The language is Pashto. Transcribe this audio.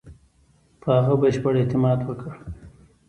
په هغه بشپړ اعتماد وکړ.